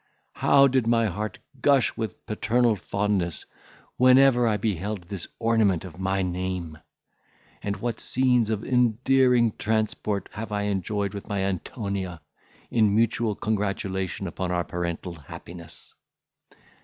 how did my heart gush with paternal fondness, whenever I beheld this ornament of my name! and what scenes of endearing transport have I enjoyed with my Antonia, in mutual congratulation upon our parental happiness!